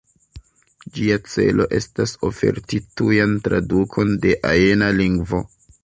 Ĝia celo estas oferti tujan tradukon de ajna lingvo.